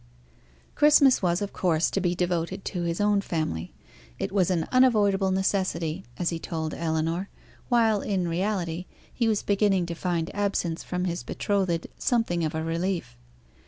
Christmas was, of course, to be devoted to his own family; it was an unavoidable necessity, as he told Ellinor, while, in reality, he was beginning to find absence from his betrothed something of a relief.